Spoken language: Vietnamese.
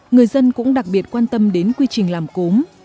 người dân cũng đặc biệt quan tâm đến quy trình làm cốm